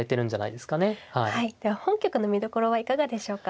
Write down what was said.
では本局の見どころはいかがでしょうか。